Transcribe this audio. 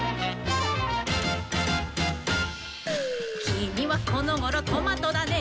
「きみはこのごろトマトだね」